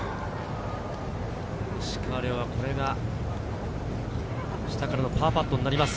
石川遼はこれが下からのパーパットになります。